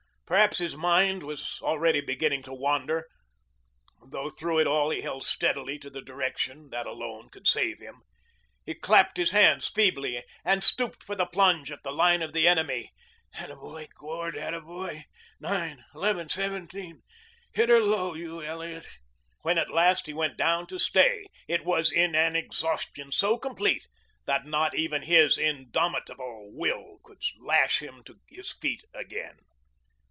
Perhaps his mind was already beginning to wander, though through it all he held steadily to the direction that alone could save him. He clapped his hands feebly and stooped for the plunge at the line of the enemy. "'Attaboy, Gord 'attaboy nine, eleven, seventeen. Hit 'er low, you Elliot." When at last he went down to stay it was in an exhaustion so complete that not even his indomitable will could lash him to his feet again.